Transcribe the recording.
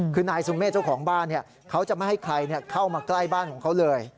คือนายสุเมฆเจ้าของบ้านเขาจะไม่ให้ใครเข้ามาใกล้บ้านของเขาเลย